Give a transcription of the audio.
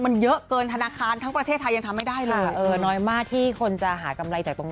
อืมเผ็ดไหม